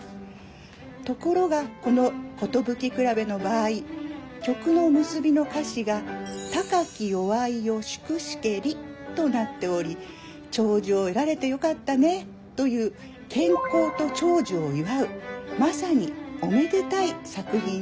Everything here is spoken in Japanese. ところがこの「寿くらべ」の場合曲の結びの歌詞がとなっており「長寿を得られてよかったね」という健康と長寿を祝うまさにおめでたい作品になっています。